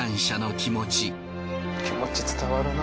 気持ち伝わるな。